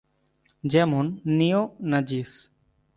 যেমন: ‘নিও নাজিস’।